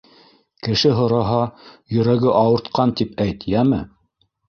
Кеше һораһа, йөрәге ауыртҡан, тип әйт, йәме!